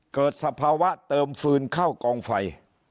สภาวะเติมฟืนเข้ากองไฟ